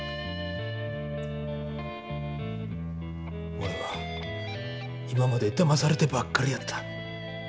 おれは今までだまされてばっかりやった。